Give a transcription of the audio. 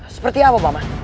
seperti apa paman